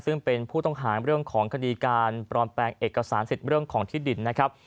ซึ่งเป็นผู้ต้องหาเรื่องของคดีการปลอมแปลงเอกสารสิทธิ์เรื่องของที่ดินนะครับ